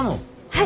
はい。